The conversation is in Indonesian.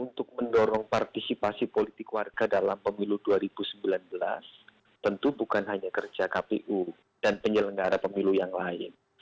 untuk mendorong partisipasi politik warga dalam pemilu dua ribu sembilan belas tentu bukan hanya kerja kpu dan penyelenggara pemilu yang lain